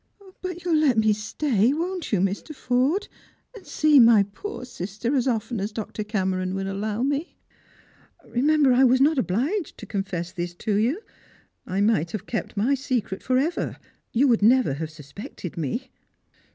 " But you'll let me stay, won't you, Mr. Forde, and see my poor sister as often as Dr. Cameron will allow me ? Remembei , I was not obliged to confess this to you. I might have kept my secret for ever. You would never have susi^ected me."